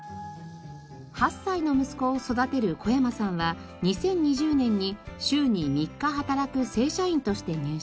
８歳の息子を育てる小山さんは２０２０年に週に３日働く正社員として入社。